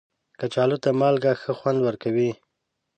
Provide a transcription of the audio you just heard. کچالو ته مالګه ښه خوند ورکوي